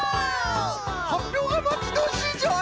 はっぴょうがまちどおしいぞい！